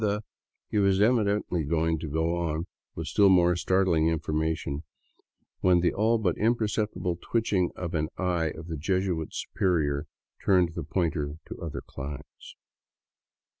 The ..." He was evidently going on with still more startling information when the all but imperceptible twitching of an eye of the Jesuit superior turned the pointer to other climes.